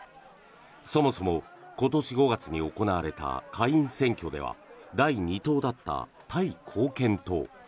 そもそも今年５月に行われた下院選挙では第２党だったタイ貢献党。